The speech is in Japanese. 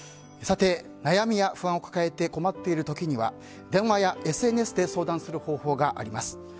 悩みや不安を抱えて困っている時には電話やＳＮＳで相談する方法があります。